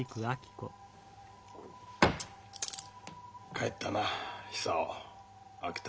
帰ったな久男秋田。